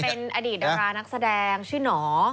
เป็นอดีตดารานักแสดงชื่อหนอ